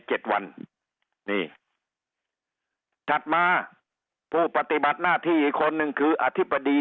เจ็ดวันนี่ถัดมาผู้ปฏิบัติหน้าที่อีกคนนึงคืออธิบดี